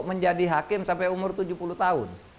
menjadi hakim sampai umur tujuh puluh tahun